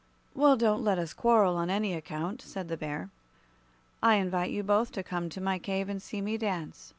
"Well, don't let us quarrel, on any account," said the Bear. "I invite you both to come to my cave and see me dance.